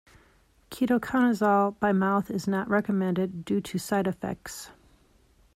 Ketoconazole by mouth is not recommended due to side effects.